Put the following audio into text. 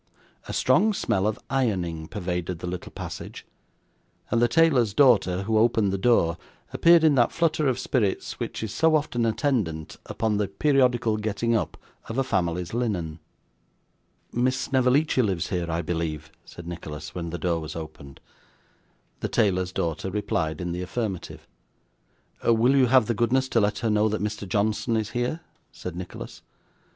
A strong smell of ironing pervaded the little passage; and the tailor's daughter, who opened the door, appeared in that flutter of spirits which is so often attendant upon the periodical getting up of a family's linen. 'Miss Snevellicci lives here, I believe?' said Nicholas, when the door was opened. The tailor's daughter replied in the affirmative. 'Will you have the goodness to let her know that Mr. Johnson is here?' said Nicholas.